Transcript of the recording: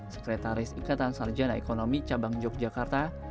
sekretaris ikatan sarjana ekonomi cabang yogyakarta